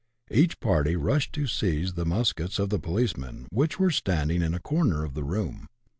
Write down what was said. Each party rushed to seize the muskets of the policemen, which were standing in a corner of the room.